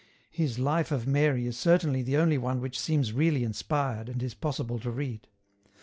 His Life of Mary is certainly the only one which seems really inspired and is possible to read.